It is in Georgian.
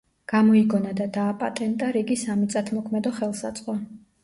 გამოიგონა და დააპატენტა რიგი სამიწათმოქმედო ხელსაწყო.